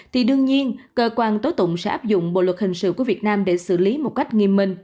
thì đương nhiên cơ quan tố tụng sẽ áp dụng bộ luật hình sự của việt nam để xử lý một cách nghiêm minh